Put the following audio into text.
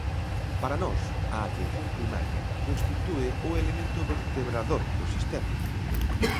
Para nós, a Atención Primaria constitúe o elemento vertebrador do sistema.